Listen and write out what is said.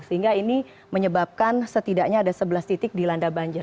sehingga ini menyebabkan setidaknya ada sebelas titik dilanda banjir